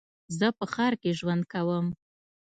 زه په ښار کې ژوند کوم.